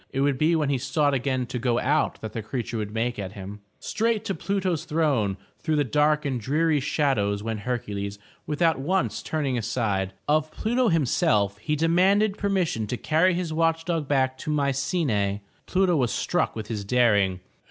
It would be when he sought again to go out that the creature would make at him. Straight to Pluto's throne through the dark and dreary shad ows went Hercules without once turning aside. Of Pluto himself he demanded permission to carry his watch dog back to Mycenae. Pluto was struck with his daring.